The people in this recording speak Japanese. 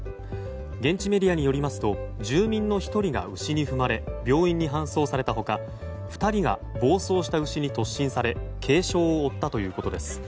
現地メディアによりますと住民の１人が牛に踏まれ病院に搬送された他２人が暴走した牛に突進され軽傷を負ったということです。